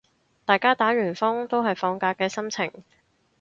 大家打完風都係放假嘅心情